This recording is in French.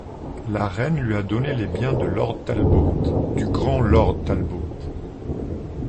La Reine lui a donné les biens de Lord Talbot, du grand Lord Talbot !